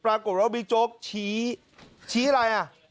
ปรากฏแล้วบิ๊กโจ๊กชี้ชี้อะไร